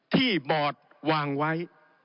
ที่บอร์ดวางไว้